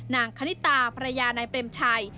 คณิตาภรรยานายเปรมชัย